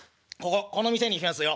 この店にしますよ。